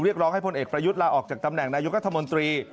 ร้องให้พลเอกประยุทธ์ลาออกจากตำแหน่งนายกรัฐมนตรี